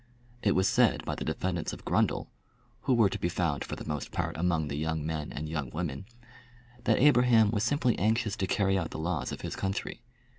It was said by the defendents of Grundle, who were to be found for the most part among the young men and young women, that Abraham was simply anxious to carry out the laws of his country.